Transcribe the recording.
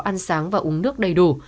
ăn sáng và uống nước đầy đủ